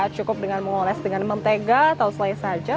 cukup dengan mengoles dengan mentega atau selai saja